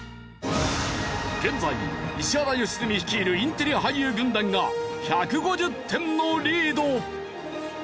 現在石原良純率いるインテリ俳優軍団が１５０点のリード。